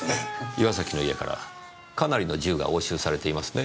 岩崎の家からかなりの銃が押収されていますねぇ。